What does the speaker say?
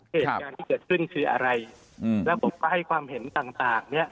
เหตุการณ์ที่เกิดขึ้นคืออะไรแล้วผมก็ให้ความเห็นต่างเนี่ย